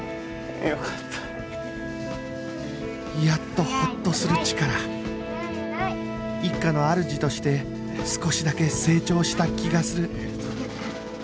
やっとホッとするチカラ一家の主として少しだけ成長した気がする